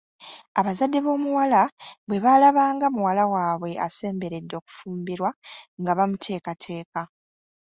Abazadde b'omuwala bwe baalabanga nga muwala waabwe asemberedde okufumbirwa nga bamuteekateeka.